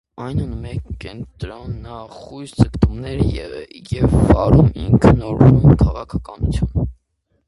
Այն ունենում է կենտրոնախույս ձգտումներ և վարում ինքնուրույն քաղաքականություն։